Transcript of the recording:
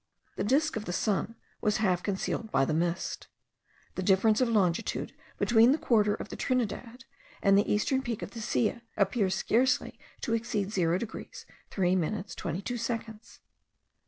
The disk of the sun was half concealed by the mist. The difference of longitude between the quarter of the Trinidad and the eastern peak of the Silla appears scarcely to exceed 0 degrees 3 minutes 22 seconds.